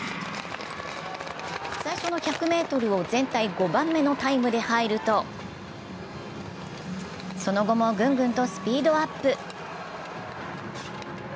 最初の１００ｍを全体５番目のタイムで入るとその後もグングンとスピードアップ。